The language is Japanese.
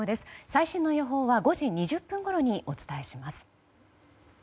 最新の予報は５時２０分ごろにお伝えします。